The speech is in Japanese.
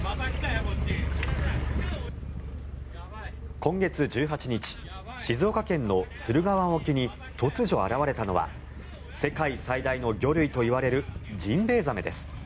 今月１８日静岡県の駿河湾沖に突如、現れたのは世界最大の魚類といわれるジンベエザメです。